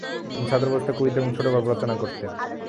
তিনি ছাত্রাবস্থায় কবিতা এবং ছোট গল্প রচনা করতেন ।